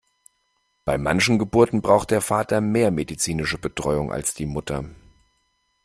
Bei manchen Geburten braucht der Vater mehr medizinische Betreuung als die Mutter.